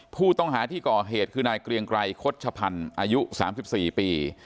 ผู้ต้องหาที่ก่อเหตุคือนายเกรียงไกรคดชพันธ์อายุ๓๔ปี